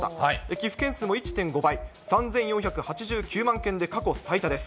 寄付件数も１．５倍、３４８９万件で過去最多です。